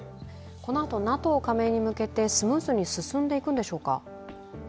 このあと、ＮＡＴＯ加盟に向けてスムーズに進んでいくんでしょうか？